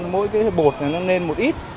mỗi cái bột này nó nên một ít